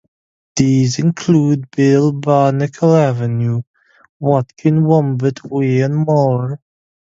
These include Bill Barnacle Avenue, Watkin Wombat Way and more.